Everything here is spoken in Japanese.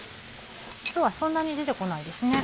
今日はそんなに出て来ないです。